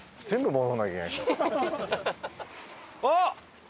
あっ！